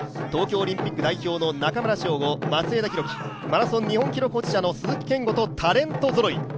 東京オリンピック代表の中村匠吾、松枝博輝、マラソン日本記録保持者の鈴木健吾とタレントぞろい。